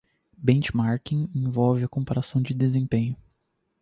Benchmarking envolve a comparação de desempenho.